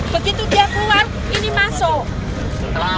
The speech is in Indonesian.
begitu dia keluar ini masuk